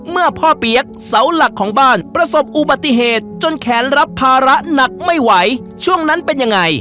เมื่อพ่อเปี๊ยกเสาหลักของบ้านประสบอุบัติเหตุจนแขนรับภาระหนักไม่ไหวช่วงนั้นเป็นยังไง